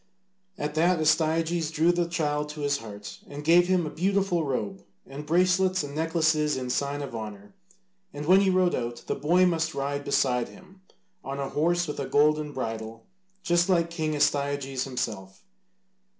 At that Astyages drew the child to his heart, and gave him a beautiful robe and bracelets and necklaces in sign of honour, and when he rode out, the boy must ride beside him on a horse with a golden bridle, just like King Astyages himself.